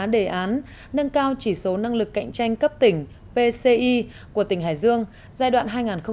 đề án nâng cao chỉ số năng lực cạnh tranh cấp tỉnh pci của tỉnh hải dương giai đoạn hai nghìn một mươi sáu hai nghìn hai mươi